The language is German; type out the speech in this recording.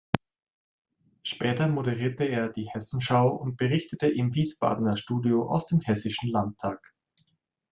Später moderierte er die Hessenschau und berichtete im Wiesbadener Studio aus dem Hessischen Landtag.